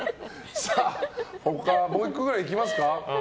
他、もう１個くらいいきますか。